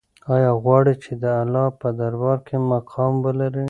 آیا غواړې چې د الله په دربار کې مقام ولرې؟